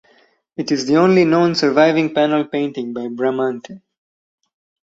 It is the only known surviving panel painting by Bramante.